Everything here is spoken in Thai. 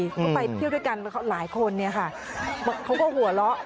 ก็ไปเที่ยวด้วยกันหลายคนเนี่ยค่ะเขาก็หัวเราะ